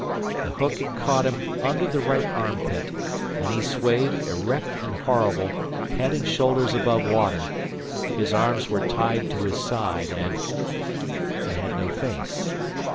The hook had caught him under the right armpit, and he swayed, erect and horrible, head and shoulders above water. His arms were tied to his side, and he had no face.